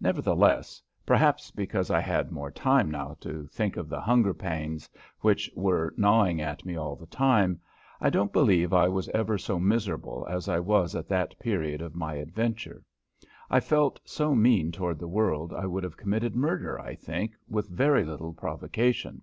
Nevertheless, perhaps because I had more time now to think of the hunger pains which were gnawing at me all the time, I don't believe I was ever so miserable as I was at that period of my adventure. I felt so mean toward the world I would have committed murder, I think, with very little provocation.